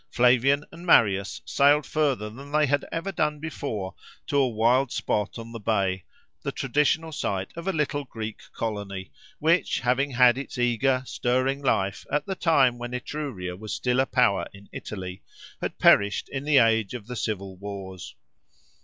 Flavian and Marius sailed further than they had ever done before to a wild spot on the bay, the traditional site of a little Greek colony, which, having had its eager, stirring life at the time when Etruria was still a power in Italy, had perished in the age of the civil wars.